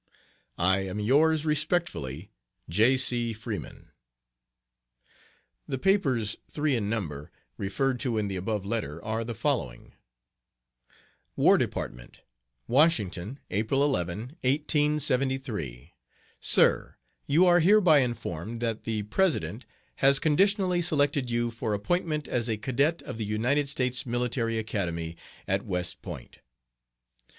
I am yours very respectfully, J. C. FREEMAN. The papers, three in number, referred to in the above letter, are the following: WAR DEPARTMENT, WASHINGTON, April 11, 1873. SIR: You are hereby informed that the President has conditionally selected you for appointment as a Cadet of the United States Military Academy at West Point.